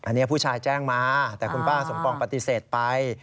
อันนี้ผู้ชายแจ้งมาแต่คุณป้าสมปองปฏิเสธไป